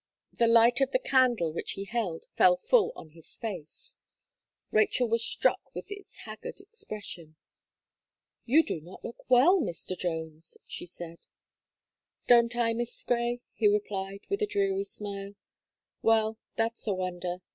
The light of the candle which he held fell full on his face; Rachel was struck with its haggard expression. "You do not look well, Mr. Jones," she said. "Don't I, Miss Gray," he replied, with a dreary smile, "well, that's a wonder!